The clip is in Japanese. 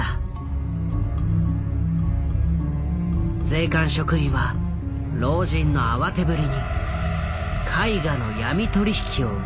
税関職員は老人の慌てぶりに絵画の闇取引を疑った。